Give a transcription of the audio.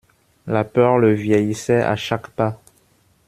La peur le vieillissait à chaque pas.